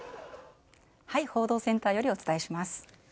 報道センターよりお伝えします。